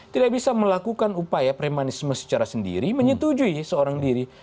tidak bisa melakukan upaya premanisme secara sendiri menyetujui seorang diri